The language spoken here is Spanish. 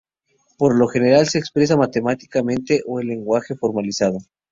Por lo general se expresa matemáticamente o en lenguaje formalizado.